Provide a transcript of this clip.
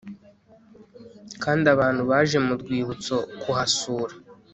kandi abantu baje mu rwibutso kuhasura